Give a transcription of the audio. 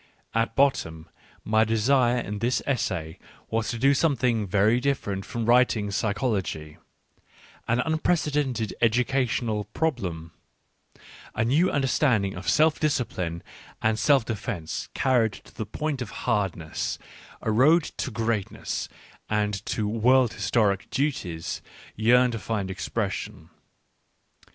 At bottom, my desire in this essay was to do something very different from writing psychology: an unprecedented educational prob lem, a new understanding of self discipline and self defence carried to the point of hardness, a road to greatness and to world historic duties, yearned Digitized by Google WHY I WRITE SUCH EXCELLENT BOOKS 8 1 to find expression.